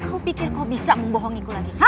aku pikir kau bisa membohongiku lagi